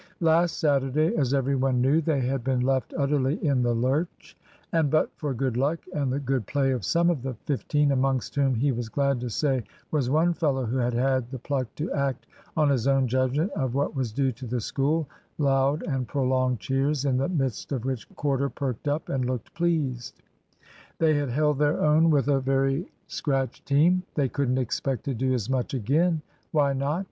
Last Saturday, as every one knew, they had been left utterly in the lurch; and but for good luck, and the good play of some of the fifteen amongst whom, he was glad to say, was one fellow who had had the pluck to act on his own judgment of what was due to the School (loud and prolonged cheers, in the midst of which Corder perked up, and looked pleased) they had held their own with a very scratch team. They couldn't expect to do as much again (Why not?)